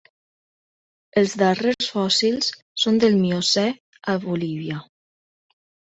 Els darrers fòssils són del Miocè a Bolívia.